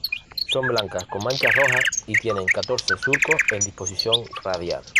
Son blancas con manchas rojas y tienen catorce surcos en disposición radial.